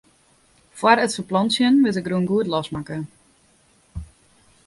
Fóár it ferplantsjen wurdt de grûn goed losmakke.